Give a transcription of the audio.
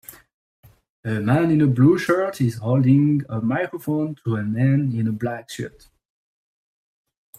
A man in a blue shirt is holding a microphone to a man in a black suit.